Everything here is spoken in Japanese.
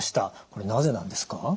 これなぜなんですか？